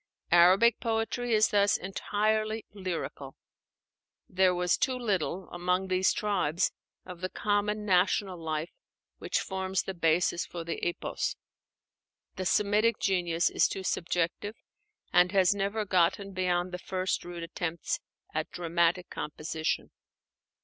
Arabic poetry is thus entirely lyrical. There was too little, among these tribes, of the common national life which forms the basis for the Epos. The Semitic genius is too subjective, and has never gotten beyond the first rude attempts at dramatic composition.